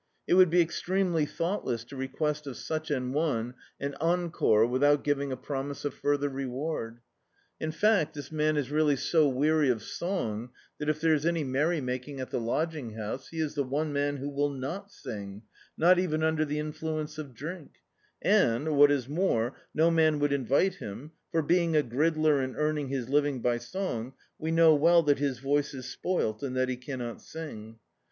It would be extremely thoughtless 0> request of such an one an encore without giving a pr«nise of further re ward, In fact' this man is really so weary of song that if there is any merry maldng at the lodging house, he is the one man who will not sing, not even under the influence of drink; and, what is more no man would invite him for, being a gridler and earn ing his living by song, we know well that his voice is spoilt, and that he cannot sing.